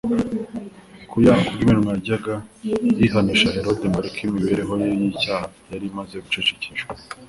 Kuya ubwo iminwa yajyaga yihanisha Herode ngo areke imibereho ye y'icyaha yari imaze gucecekeshwa.